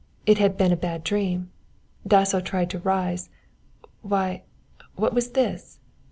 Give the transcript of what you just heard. It had been a bad dream. Dasso tried to rise why, what was this?